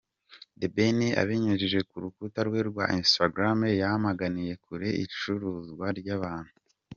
The Ben abinyujije ku rukuta rwe rwa Instagram yamaganiye kure icuruzwa ry'abantu.